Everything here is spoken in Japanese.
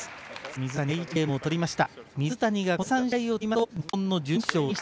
水谷が第１ゲームを取りました。